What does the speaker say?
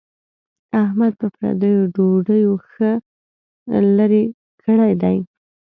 احمد په پردیو ډوډیو ښه لری کړی دی.